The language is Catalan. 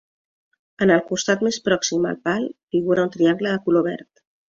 En el costat més pròxim al pal figura un triangle de color verd.